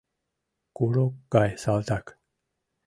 Курок гай салтак.